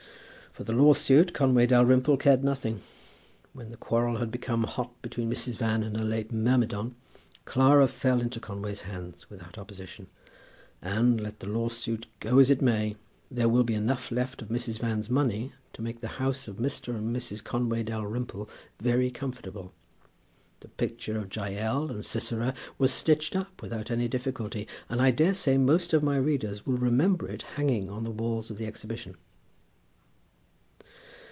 For the law suit Conway Dalrymple cared nothing. When the quarrel had become hot between Mrs. Van and her late myrmidon, Clara fell into Conway's hands without opposition; and, let the law suit go as it may, there will be enough left of Mrs. Van's money to make the house of Mr. and Mrs. Conway Dalrymple very comfortable. The picture of Jael and Sisera was stitched up without any difficulty, and I daresay most of my readers will remember it hanging on the walls of the exhibition.